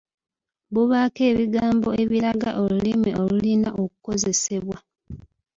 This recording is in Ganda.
Bubaako ebigambo ebiraga Olulimi olulina okukozesebwa.